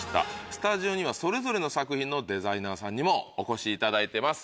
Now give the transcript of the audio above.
スタジオにはそれぞれの作品のデザイナーさんにもお越しいただいてます